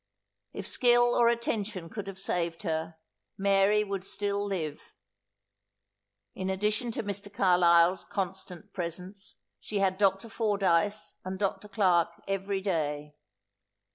If skill or attention could have saved her, Mary would still live. In addition to Mr. Carlisle's constant presence, she had Dr. Fordyce and Dr. Clarke every day.